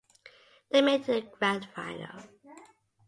They made it to the grand final.